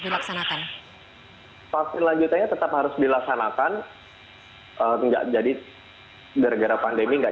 dilaksanakan vaksin lanjutannya tetap harus dilaksanakan enggak jadi gara gara pandemi enggak